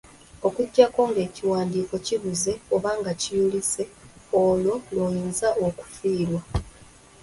Okuggyako ng'ekiwandiiko kibuze oba nga kiyulise, olwo lw'oyinza okufiirwa.